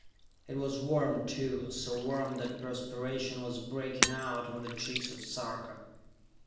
It was warm, too, so warm that perspiration was breaking out on the cheeks of Sarka.